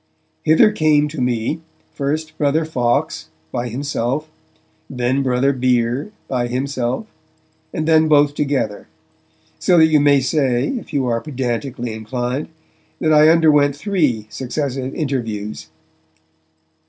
Hither came to me, first Brother Fawkes, by himself; then Brother Bere, by himself; and then both together, so that you may say, if you are pedanticaly inclined, that I underwent three successive interviews.